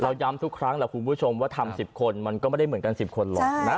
ย้ำทุกครั้งแหละคุณผู้ชมว่าทำ๑๐คนมันก็ไม่ได้เหมือนกัน๑๐คนหรอกนะ